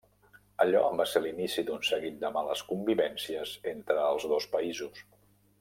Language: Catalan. Allò va ser l'inici d'un seguit de males convivències entre els dos països.